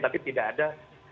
tapi tidak ada